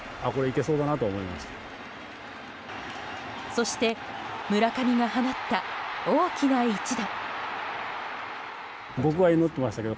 そして村上が放った大きな一打。